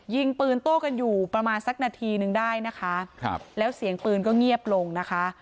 ยิงปืนโต้กันอยู่ประมาณสักนาทีนึงได้นะคะครับแล้วเสียงปืนก็เงียบลงนะคะ